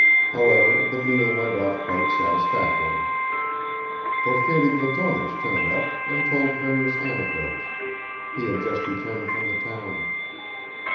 However, the meal went off quite satisfactorily. Porfiri Platonich turned up and told various anecdotes; he had just returned from the town.